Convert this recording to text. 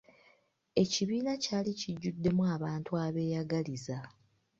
Ekibiina kyali kijjuddemu abantu abeeyagaliza.